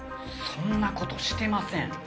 そんなことしてません。